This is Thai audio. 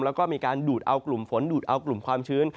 แล้วก็มีการดูดเอากลุ่มฝนดูดเอากลุ่มความชื้น